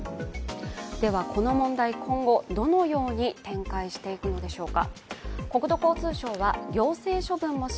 ではこの問題、今後どのように展開していくのでしょうか。